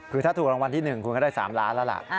คือถ้าถูกรางวัลที่๑คุณก็ได้๓ล้านแล้วล่ะ